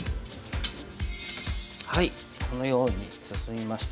このように進みまして